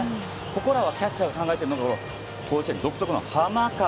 ここらはキャッチャー考えてるのか甲子園独特の浜風。